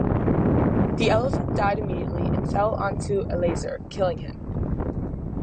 The elephant died immediately and fell onto Eleazar, killing him.